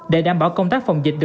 để đảm bảo công tác phòng dịch